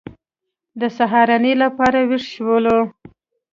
د سهارنۍ لپاره وېښ شولو.